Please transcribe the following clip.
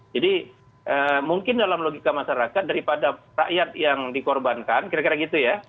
jadi mungkin dalam logika masyarakat daripada rakyat yang dikorbankan kira kira gitu ya